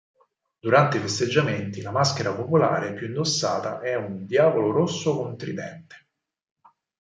Durante i festeggiamenti la maschera popolare più indossata è un diavolo rosso con tridente.